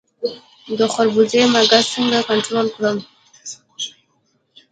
د خربوزو مګس څنګه کنټرول کړم؟